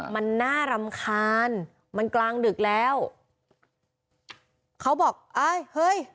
มันน่ารำคาญมันกลางดึกแล้วเขาบอกเอ้ยเฮ้ย